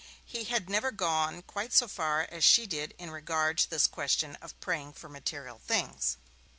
He had never gone quite so far as she did in regard to this question of praying for material things.